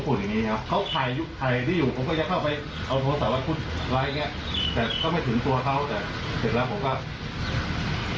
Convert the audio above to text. พูดอย่างนี้ถ้าใครที่อยู่ผมก็ต้องเข้าไป